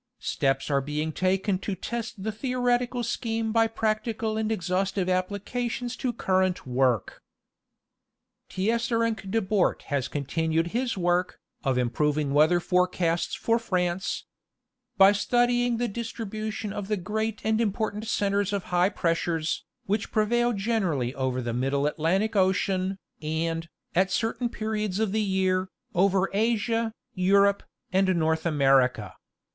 Steps are being taken to test the theoretical scheme by practical and exhaustive applications to current work. Geography of the Air. 51 Tiesserene de Bort has continued his work, of improving weather forecasts for France, by studying the distribution of the great and important centres of high pressures, which prevail gen erally over the middle Atlantic ocean, and, at certain periods of the year, over Asia, Europe, and North America.